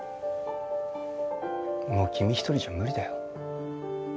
もう君一人じゃ無理だよ。